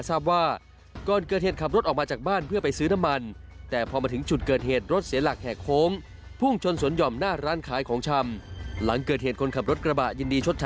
ทราบว่าก่อนเกิดเหตุขับรถออกมาจากบ้าน